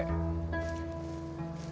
kita tunggu apa